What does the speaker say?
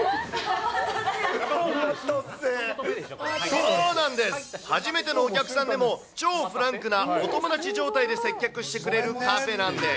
そうなんです、初めてのお客さんでも、超フランクなお友達状態で接客してくれるカフェなんです。